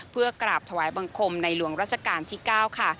เพื่อกราบถวายบังคมในหลวงราชการที่๙ค่ะ